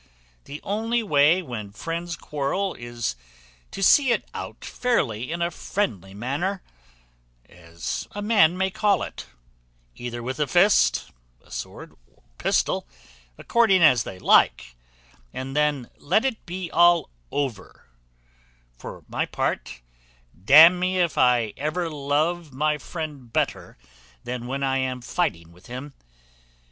The only way when friends quarrel is to see it out fairly in a friendly manner, as a man may call it, either with a fist, or sword, or pistol, according as they like, and then let it be all over; for my own part, d n me if ever I love my friend better than when I am fighting with him!